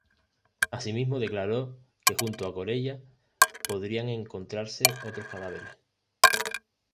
Así mismo declaró que junto a Corella podrían encontrarse otros cadáveres.